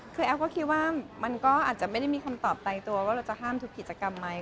คือแอฟก็คิดว่ามันก็อาจจะไม่ได้มีคำตอบไตตัวว่าเราจะห้ามทุกกิจกรรมไหม